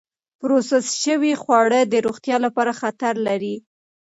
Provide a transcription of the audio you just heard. پروسس شوې خواړه د روغتیا لپاره خطر لري.